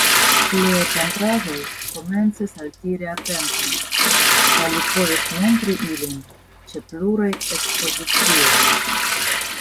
Liaj pentraĵoj komencis altiri atenton, kaj li povis montri ilin ĉe pluraj ekspozicioj.